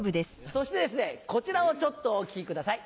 そしてですねこちらをちょっとお聞きください。